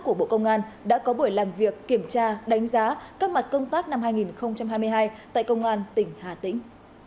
của bộ công an đã có buổi làm việc kiểm tra đánh giá các mặt công tác năm hai nghìn hai mươi hai tại công an tỉnh hà tĩnh